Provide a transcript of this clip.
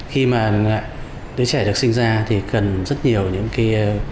khi mà đứa trẻ được sinh ra thì cần rất nhiều những cái